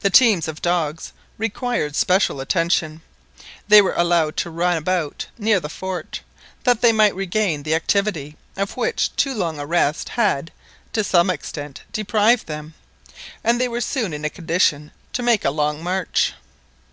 The teams of dogs required special attention. They were allowed to run about near the fort, that they might regain the activity of which too long a rest had, to some extent, deprived them, and they were soon in a condition to make a long march.